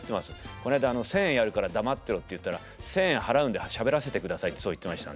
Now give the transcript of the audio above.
この間１，０００円やるから黙ってろって言ったら１，０００円払うんでしゃべらせてくださいってそう言ってました。